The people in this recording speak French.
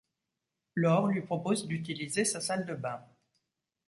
Laure lui propose d'utiliser sa salle de bains.